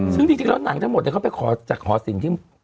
ซึ่งจริงแล้วหนังทั้งหมดเขาไปขอจากหอสินที่